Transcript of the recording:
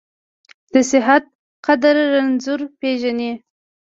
د صحت قدر رنځور پېژني .